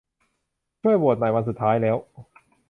ช่วยโหวตหน่อย วันสุดท้ายแล้ว